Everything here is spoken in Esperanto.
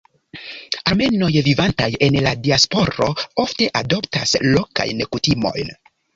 Armenoj vivantaj en la diasporo ofte adoptas lokajn kutimojn.